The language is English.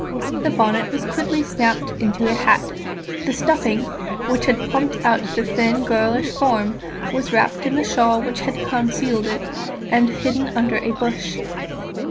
The bonnet was quickly shaped into a hat; the stuffing which had plumped out the thin, girlish form was wrapped in the shawl which had concealed it, and hidden under a bush.